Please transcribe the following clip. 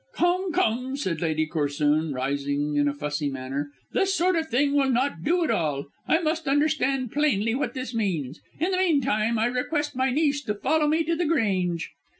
"Come, come," said Lady Corsoon, rising in a fussy manner. "This sort of thing will not do at all. I must understand plainly what this means. In the meantime, I request my niece to follow me to The Grange."